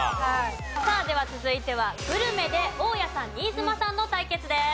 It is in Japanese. さあでは続いてはグルメで大家さん新妻さんの対決です。